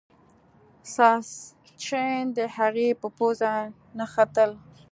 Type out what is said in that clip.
ساسچن د هغې په پوزه نښتل.